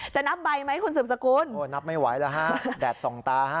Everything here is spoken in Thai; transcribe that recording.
จะนับใบไหมคุณสืบสกุลนับไม่ไหวล่ะฮะแดดสองตา